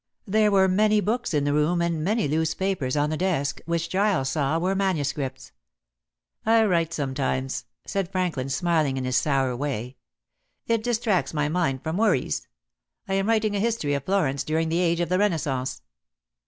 There were many books in the room and many loose papers on the desk, which Giles saw were manuscripts. "I write sometimes," said Franklin, smiling in his sour way. "It distracts my mind from worries. I am writing a history of Florence during the age of the Renaissance."